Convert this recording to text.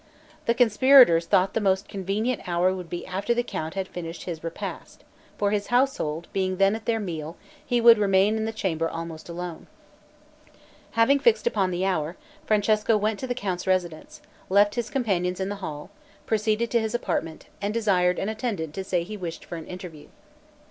The conspirators thought the most convenient hour would be after the count had finished his repast; for his household being then at their meal, he would remain in the chamber almost alone. Having fixed upon the hour, Francesco went to the count's residence, left his companions in the hall, proceeded to his apartment, and desired an attendant to say he wished for an interview.